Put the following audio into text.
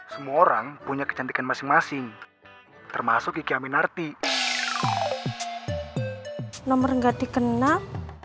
semua orang punya kecantikan masing masing termasuk kikia minarti nomor gak dikenal